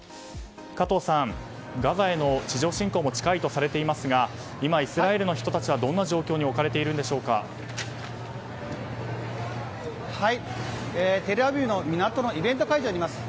加藤さん、ガザへの地上侵攻も近いとされていますが今、イスラエルの人たちはどんな状況にテルアビブの港のイベント会場にいます。